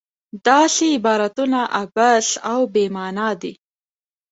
داسې عبارتونه عبث او بې معنا دي.